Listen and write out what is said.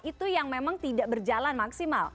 itu yang memang tidak berjalan maksimal